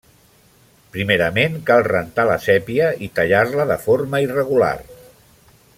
Primerament, cal rentar la sèpia i tallar-la de forma irregular.